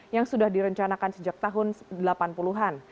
yang sudah direncanakan sejak tahun delapan puluh an